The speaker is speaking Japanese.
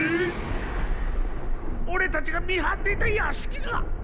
オレたちが見はっていたやしきが！